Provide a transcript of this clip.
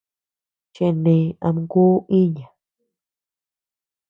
Chene am kuu iña.